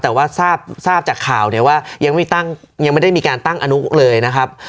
แต่ว่าทราบจากข่าวเนี่ยว่ายังไม่ได้มีการตั้งอนุเลยนะครับ